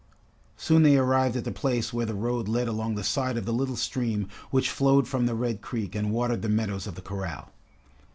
Soon they arrived at the place where the road led along the side of the little stream which flowed from the Red Creek and watered the meadows of the corral.